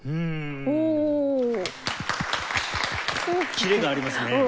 キレがありますね。